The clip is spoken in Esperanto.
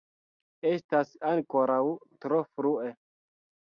Estas ankoraŭ tro frue.